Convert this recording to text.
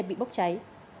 bị bốc cháy